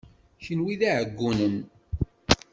Kenwi d iɛeggunen.